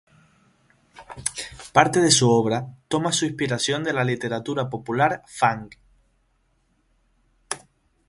Parte de su obra toma su inspiración de la literatura popular fang.